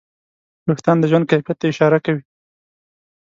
وېښتيان د ژوند کیفیت ته اشاره کوي.